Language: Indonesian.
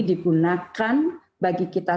digunakan bagi kita